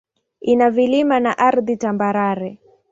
Ina vilima na ardhi tambarare.